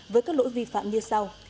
với các lỗi vi phạm như sau